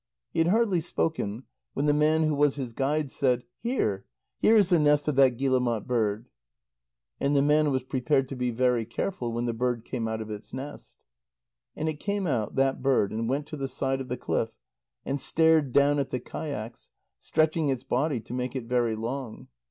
He had hardly spoken, when the man who was his guide said: "Here, here is the nest of that guillemot bird." And the man was prepared to be very careful when the bird came out of its nest. And it came out, that bird, and went to the side of the cliff and stared down at the kayaks, stretching its body to make it very long.